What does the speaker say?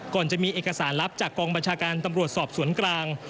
ก่อนจะมีเอกสารลับจากกองบัญชาการตำรวจสอบสวนกลาง